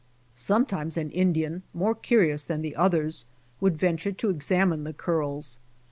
Sometimes an Indian, more curious than the others, would venture to examine the curls.